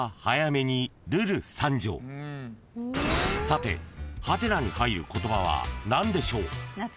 ［さてハテナに入る言葉は何でしょう？］